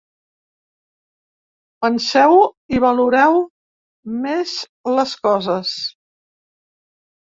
Penseu-ho i valoreu més les coses.